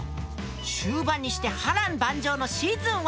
終盤にして波乱万丈のシーズン１。